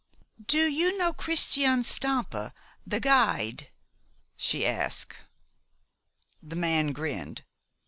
"Do you know Christian Stampa, the guide?" she asked. The man grinned.